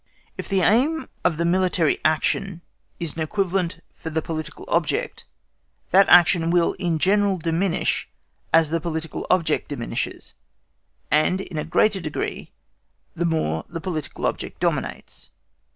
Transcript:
If the aim of the military action is an equivalent for the political object, that action will in general diminish as the political object diminishes, and in a greater degree the more the political object dominates.